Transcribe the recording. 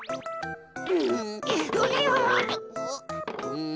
うん。